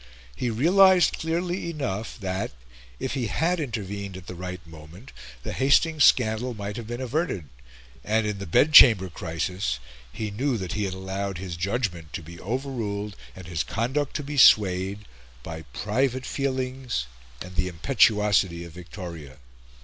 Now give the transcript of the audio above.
He realised clearly enough that, if he had intervened at the right moment, the Hastings scandal might have been averted; and, in the bedchamber crisis, he knew that he had allowed his judgment to be overruled and his conduct to be swayed by private feelings and the impetuosity of Victoria.